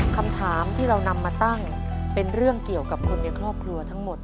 คำถามที่เรานำมาตั้งเป็นเรื่องเกี่ยวกับคนในครอบครัวทั้งหมด